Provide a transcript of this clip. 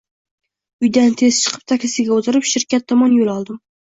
Uydan tez chiqib taksiga oʻtirib shirkat tomon yoʻl oldim.